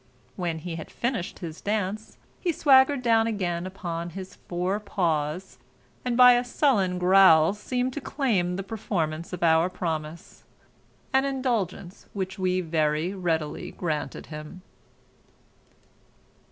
When he had finished his dance he swaggered down again upon his fore paws, and by a sullen growl seemed to claim the performance of our promise, an indulgence which we very readily granted him.